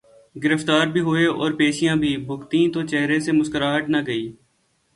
گرفتار بھی ہوئے اورپیشیاں بھی بھگتیں تو چہرے سے مسکراہٹ نہ گئی۔